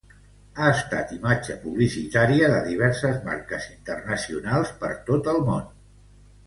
Ha estat imatge publicitària de diverses marques internacionals per tot el món.